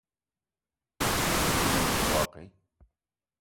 O nem mbogue